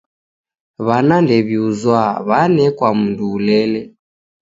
W'ana ndew'iuzwa, w'anekwa mundu ulele.